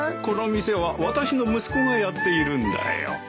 この店は私の息子がやっているんだよ。